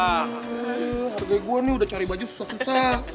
harganya gue nih udah cari baju susah susah